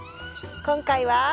今回は。